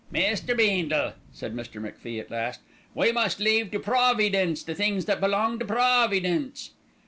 "Meester Beendle," said Mr. MacFie at last, "we must leave to Proveedence the things that belong to Proveedence."